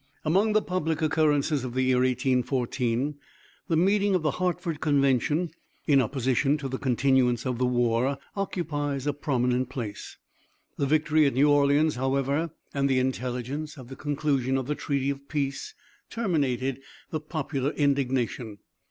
Among the public occurrences of the year 1814, the meeting of the Hartford convention, in opposition to the continuance of the war, occupies a prominent place. The victory at New Orleans, however, and the intelligence of the conclusion of the treaty of peace, terminated the popular indignation.